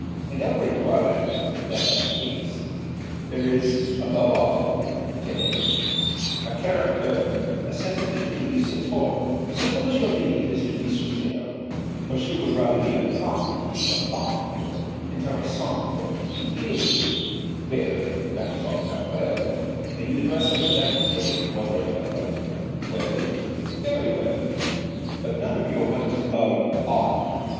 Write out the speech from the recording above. In every toilette that has taste there is above all tenez a character a sentiment to be support; suppose your lady is to be superbe, or she will rather be élégante, or charmante, or intéressante, or distinguée well, dat is all ver' well, and you dress to that idée, one or oder well, very well but none of your wat you call odd.